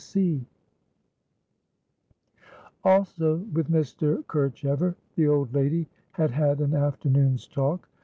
Also with Mr. Kerchever the old lady had had an afternoon's talk.